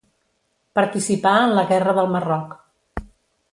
Participà en la Guerra del Marroc.